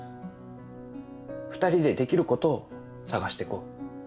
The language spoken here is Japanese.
２人でできることを探していこう。